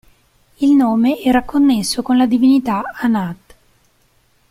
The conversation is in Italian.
Il nome era connesso con la divinità Anat.